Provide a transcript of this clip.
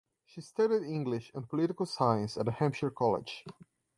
She studied English and Political Science at the Hampshire College.